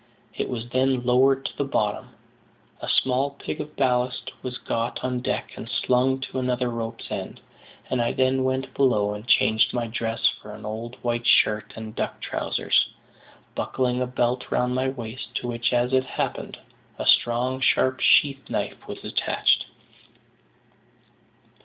It was then lowered to the bottom; a small pig of ballast was got on deck and slung to another rope's end, and I then went below and changed my dress for an old white shirt and duck trousers, buckling a belt round my waist, to which, as it happened, a strong sharp sheath knife was attached.